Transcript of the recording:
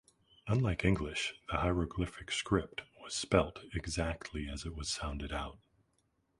Unlike English, the hieroglyphic script was spelt exactly as it was sounded out.